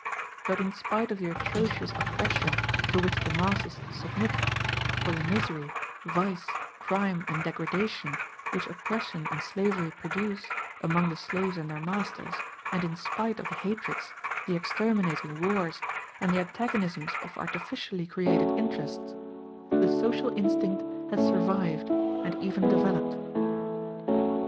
But in spite of the atrocious oppression to which the masses submit, of the misery, vice, crime, and degradation which oppression and slavery produce, among the slaves and their masters, and in spite of the hatreds, the exterminating wars, and the antagonisms of artificially created interests, the social instinct has survived and even developed.